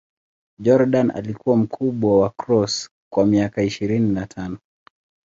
Jordan alikuwa mkubwa wa Cross kwa miaka ishirini na tano.